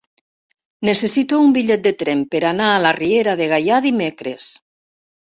Necessito un bitllet de tren per anar a la Riera de Gaià dimecres.